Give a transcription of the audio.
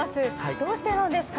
どうしてですか？